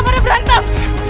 udah udah udah